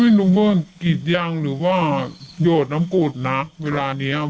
ไม่รู้ว่ากรีดยางหรือว่าโยดน้ำกรูดนักเวลานี้ครับ